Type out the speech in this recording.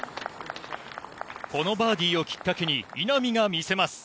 このバーディーをきっかけに稲見が魅せます。